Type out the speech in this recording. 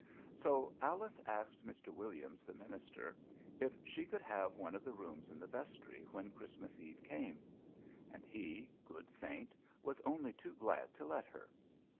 So Alice asked Mr. Williams, the minister, if she could have one of the rooms in the vestry when Christmas eve came; and he, good saint, was only too glad to let her.